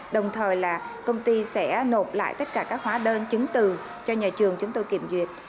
đồng thời là công ty sẽ nộp lại tất cả các hóa đơn chứng từ cho nhà trường chúng tôi kiểm duyệt